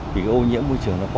thì ô nhiễm môi trường nó quá lớn